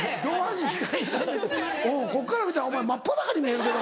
こっから見たらお前真っ裸に見えるけど。